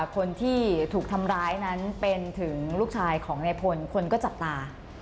คนที่ถูกทำร้ายนั้นเป็นถึงลูกชายของนายพลคนก็จับตา